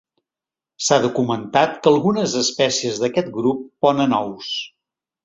S'ha documentat que algunes espècies d'aquest grup ponen ous.